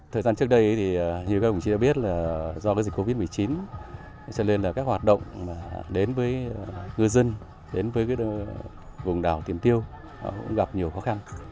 thời gian trước đây như các ông chị đã biết do dịch covid một mươi chín cho nên các hoạt động đến với ngư dân đến với vùng đảo tiền tiêu cũng gặp nhiều khó khăn